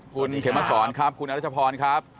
คุณเขมะสอนคุณอัลจิพร